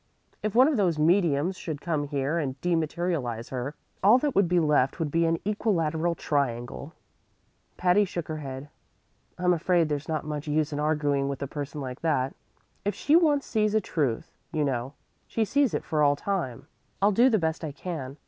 If one of those mediums should come here and dematerialize her, all that would be left would be an equilateral triangle." Patty shook her head. "I'm afraid there's not much use in arguing with a person like that. If she once sees a truth, you know, she sees it for all time. But never mind; I'll do the best I can.